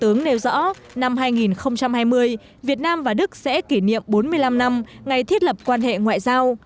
thủ tướng nêu rõ năm hai nghìn hai mươi việt nam và đức sẽ kỷ niệm bốn mươi năm năm ngày thiết lập quan hệ ngoại giao